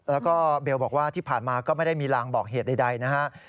แล้วก็เบลบอกว่าที่ผ่านมาก็ไม่ได้มีรางบอกเหตุใดนะฮะ